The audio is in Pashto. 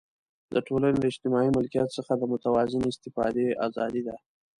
د ټولنې له اجتماعي ملکیت څخه د متوازنې استفادې آزادي ده.